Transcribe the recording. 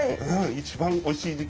一番おいしい時期。